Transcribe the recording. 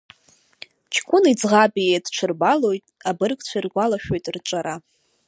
Ҷкәыни ӡӷаби еидҽырбалоит, абыргцәа иргәалашәоит рҿара…